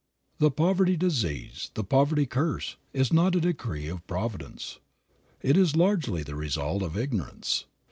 The poverty disease, the poverty curse, is not a decree of Providence. It is largely the result of ignorance.